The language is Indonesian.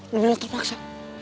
lu bilang terpaksa